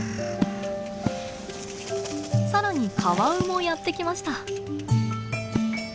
さらにカワウもやって来ました。